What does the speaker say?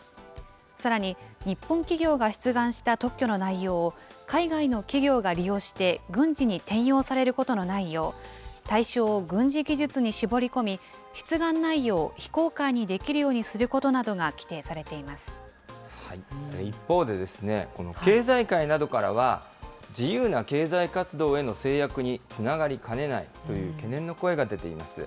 さらに、日本企業が出願した特許の内容を、海外の企業が利用して、軍事に転用されることのないよう、対象を軍事技術に絞り込み、出願内容を非公開にできるようにすることが一方で、経済界などは、自由な経済活動への制約につながりかねないという懸念の声が出ています。